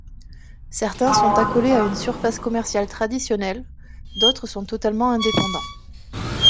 Certains sont accolés à une surface commerciale traditionnelle, d’autres sont totalement indépendants.